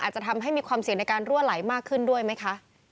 อาจจะทำให้มีความเสี่ยงในการรั่วไหลมากขึ้นด้วยไหมคะ